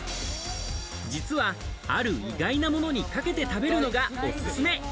実はある意外なものにかけて食べるのがおすすめ。